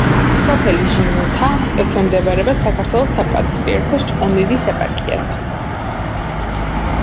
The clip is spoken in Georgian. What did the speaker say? სოფელი ჟინოთა ექვემდებარება საქართველოს საპატრიარქოს ჭყონდიდის ეპარქიას.